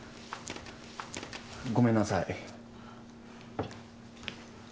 ごめんなさい。